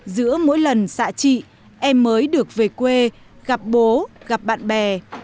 giữa mỗi lần xạ trị em mới được về quê gặp bố gặp bạn bè